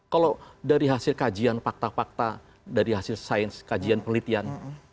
kalau dari hasil kajian fakta fakta dari hasil sains kajian penelitian